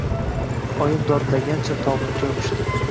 Oyim dodlagancha tobutga yopishdi.